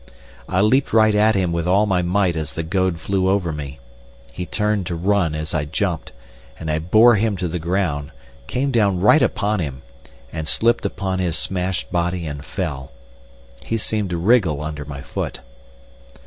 I leaped right at him with all my might as the goad flew over me. He turned to run as I jumped, and I bore him to the ground, came down right upon him, and slipped upon his smashed body and fell. He seemed to wriggle under my foot.